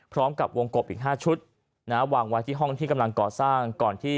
พร้อมกับวงกบอีก๕ชุดวางไว้ที่ห้องที่กำลังก่อสร้างก่อนที่